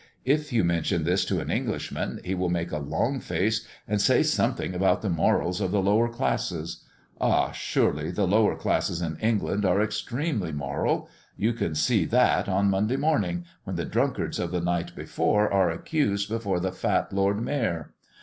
If you mention this to an Englishman, he will make a long face, and say something about the morals of the lower classes. Ah, surely the lower classes in England are extremely moral! You can see that on Monday morning, when the drunkards of the night before are accused before the fat Lord Mayor.